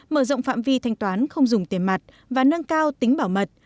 mở rộng phạm vi thanh toán không dùng tiền mặt và nâng cao tính bảo mật